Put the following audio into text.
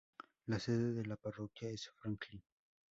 La sede de la parroquia es Franklin.